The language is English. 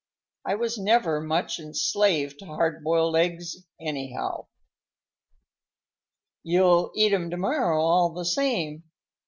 I was never much enslaved to hard boiled eggs, anyhow." "You'll eat 'em to morrow, all the same."